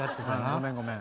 ごめんごめん。